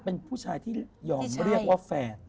เป็นผู้ชายที่ยอมเรียกว่าแฟน